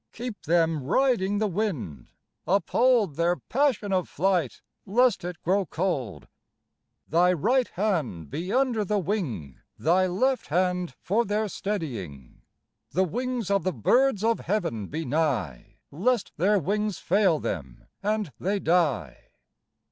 Keep them riding the wind. Uphold Their passion of flight lest it grow cold. Thy right hand be under the wing, Thy left hand for their steadying. FOR THE AIRMEN 67 The wings of the birds of Heaven be nigh Lest their wings fail them and they die.